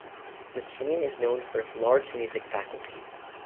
McKinnon is known for its large music faculty.